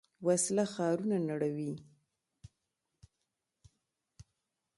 وسله ښارونه نړوي